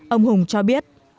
ông hùng cho biết